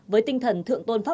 với tinh thần thượng tôn pháp